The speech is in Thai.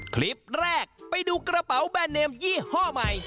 คลิปแรกไปดูกระเป๋าแบร์เดินเยี่ยโฆ่ามันใหม่